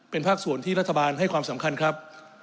เป็นภาคส่วนที่รัฐบาลให้ความสำคัญครับ